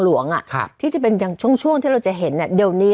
หลวงที่จะเป็นอย่างช่วงที่เราจะเห็นเดี๋ยวนี้